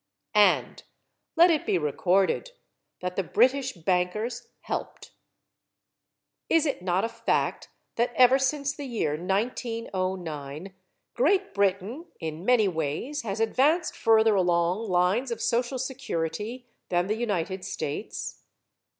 And let it be recorded that the British bankers helped. Is it not a fact that ever since the year 1909, Great Britain in many ways has advanced further along lines of social security than the United States?